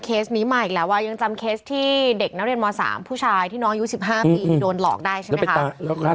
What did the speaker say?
นี้มาอีกแล้วยังจำเคสที่เด็กนักเรียนม๓ผู้ชายที่น้องอายุ๑๕ปีโดนหลอกได้ใช่ไหมคะ